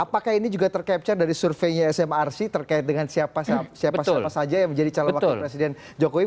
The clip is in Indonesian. apakah ini juga tercapture dari surveinya smrc terkait dengan siapa siapa saja yang menjadi calon wakil presiden jokowi